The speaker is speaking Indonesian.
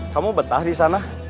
kamu betah di sana